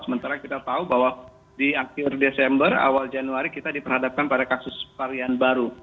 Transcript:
sementara kita tahu bahwa di akhir desember awal januari kita diperhadapkan pada kasus varian baru